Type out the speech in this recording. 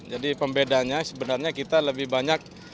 jadi pembedanya sebenarnya kita lebih banyak